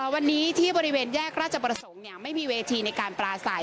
วันนี้ที่บริเวณแยกราชประสงค์ไม่มีเวทีในการปลาใส